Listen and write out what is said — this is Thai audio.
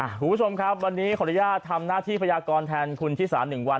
คุณผู้ชมครับวันนี้ขออนุญาตทำหน้าที่พยากรแทนคุณชิสา๑วัน